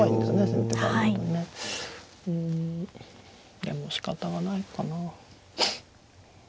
でもしかたがないかな。